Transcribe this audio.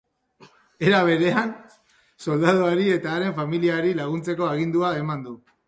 Era berean, soldaduari eta haren familiari laguntzeko agindua eman du.